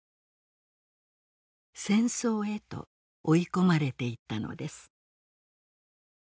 戦争へと追い込まれていったのです。